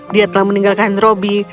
dia telah meninggalkan robby